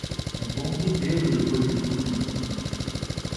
É bom revê-lo, depois de tudo